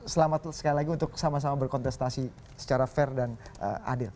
selamat sekali lagi untuk sama sama berkontestasi secara fair dan adil